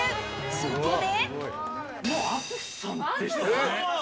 そこで。